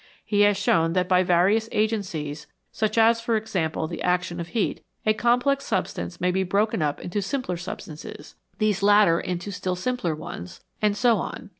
He has shown that by various agencies, such as, for example, the action of heat, a complex substance may be broken up into simpler substances, these latter into still simpler ones, and so 29 NATURE'S BUILDING MATERIAL on.